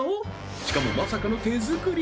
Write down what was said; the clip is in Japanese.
しかもまさかの手作り？